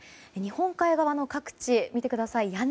日本海側の各地、見てください。